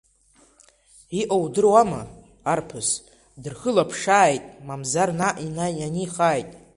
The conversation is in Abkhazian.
Иҟоу удыруама, арԥыс, дырхылаԥшааит, мамзар, наҟ ианихааит!